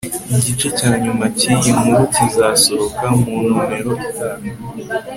igice cya nyuma cyiyi nkuru kizasohoka mu nomero itaha